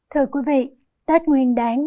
thưa quý vị tết nguyên đáng